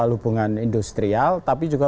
hubungan industrial tapi juga